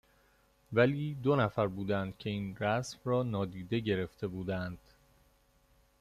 ولی دو نفر بودند که این رسم را نادیده گرفته بودند.